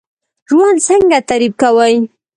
ژوند څنګه تعریف کوئ؟